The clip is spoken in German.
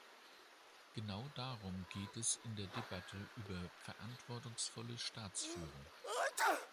Genau darum geht es in der Debatte über verantwortungsvolle Staatsführung.